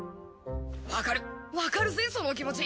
わかるわかるぜその気持ち。